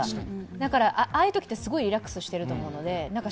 だから、ああいうときってすごいリラックスしてると思うので、だから